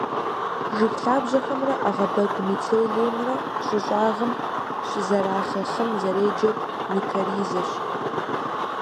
Жыг лъабжьэхэмрэ ӏэгъэбэгу мицелиимрэ щӏы щӏыгъым щызэрахъэ хъым зэреджэр микоризэщ.